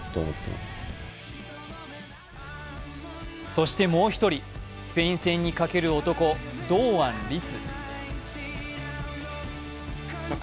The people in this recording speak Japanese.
そしてもう１人、スペイン戦にかける男、堂安律。